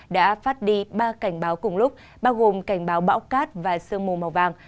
đã phát đi ba cảnh báo cùng lúc bao gồm cảnh báo bão cát và sương mù màu vàng